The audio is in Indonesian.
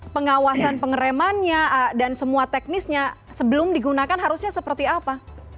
pengawasan pengeremannya dan semua teknisnya sebelum digunakan harusnya seperti apa